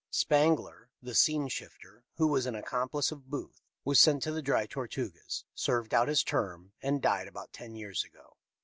Spangler, the scene shifter, who was an accomplice of Booth, was sent to the Dry Tortugas, served out his term and died about ten years ago.